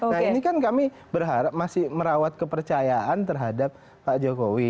nah ini kan kami berharap masih merawat kepercayaan terhadap pak jokowi